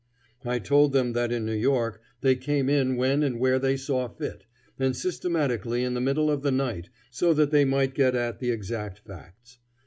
I told them that in New York they came in when and where they saw fit, and systematically in the middle of the night so that they might get at the exact facts.